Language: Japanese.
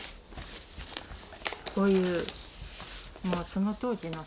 こういうその当時の。